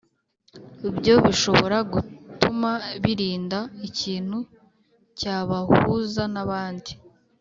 Ibyo bishobora gutuma birinda ikintu cyabahuza n ‘abandi